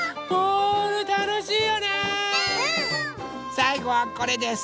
さいごはこれです。